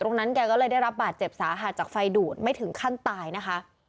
ตรงนั้นแกก็เลยได้รับบาดเจ็บสาหัสจากไฟดูดไม่ถึงขั้นตายนะคะ